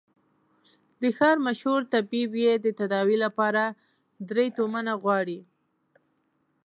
د ښار مشهور طبيب يې د تداوي له پاره درې تومنه غواړي.